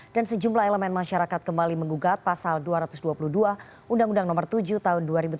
dan sejumlah elemen masyarakat kembali mengugat pasal dua ratus dua puluh dua undang undang no tujuh tahun dua ribu tujuh belas